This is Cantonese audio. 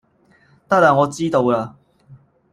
得喇我知道喇